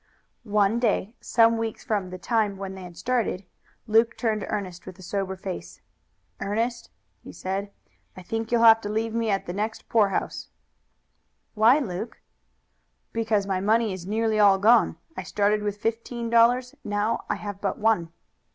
One day, some weeks from the time when they started, Luke turned to Ernest with a sober face. "Ernest," he said, "I think you'll have to leave me at the next poorhouse." "Why, Luke?" "Because my money is nearly all gone. I started with fifteen dollars. Now I have but one."